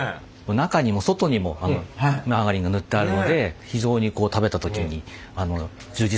中にも外にもマーガリンが塗ってあるので非常にこう食べた時に充実感があるパンですね。